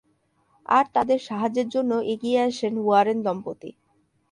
আর তাদের সাহায্যের জন্য এগিয়ে আসেন ওয়ারেন দম্পতি।